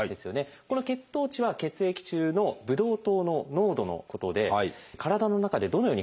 この血糖値は血液中のブドウ糖の濃度のことで体の中でどのように変化していくのか見ていきましょう。